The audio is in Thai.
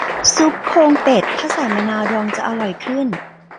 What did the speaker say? ซุปโครงเป็ด ถ้าใส่มะนาวดองจะอร่อยขึ้น